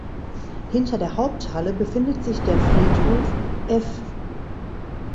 Hinter der Haupthalle befindet sich der Friedhof (F).